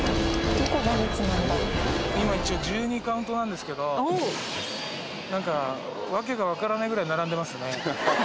今一応１２カウントなんですけど何か訳が分からないぐらい並んでますね